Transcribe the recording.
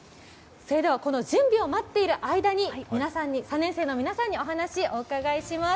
準備を待っている間に３年生の皆さんにお話をお伺いします。